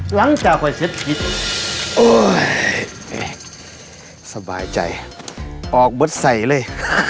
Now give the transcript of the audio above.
หลังจากไหว้เสร็จผิดโอ้ยสบายใจออกเบิดใส่เลย